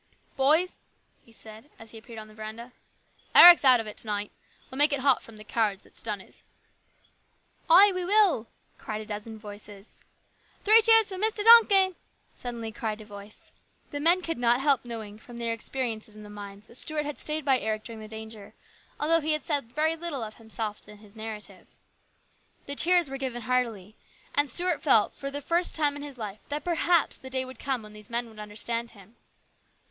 "Boys," he said as he appeared on the veranda, " Eric's out of it to night. We'll make it hot for the cowards that's done this." " Ay, that we will !" cried a dozen voices. " Three cheers for Mr. Duncan !" suddenly cried a voice. The men could not help knowing from their experiences in the mines that Stuart had stayed by Eric during the danger, although he had said very little of himself in his narrative. The cheers were given heartily, and Stuart felt for the first time in his life that perhaps the day would 6 82 HIS BROTHER'S KEEPER. come when these men would understand him.